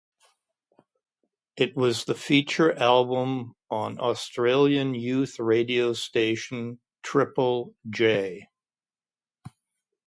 It was the Feature Album on Australian youth radio station, Triple J.